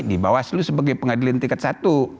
di bawaslu sebagai pengadilan tingkat satu